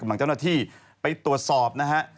กำลังเจ้าหน้าที่ไปตรวจสอบนะฮะ